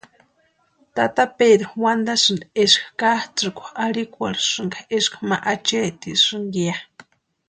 Tata Pedru wantasïnti eska katsʼïkwa arhikwekasïnka eska ma acheetisïnka ya.